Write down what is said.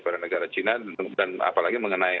para negara cina dan apalagi mengenai